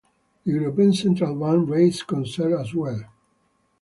The European Central Bank raised concerns as well.